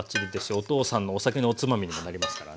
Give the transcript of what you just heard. お父さんのお酒のおつまみにもなりますからね。